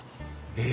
え！